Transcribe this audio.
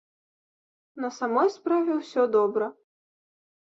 На самой справе ўсё добра.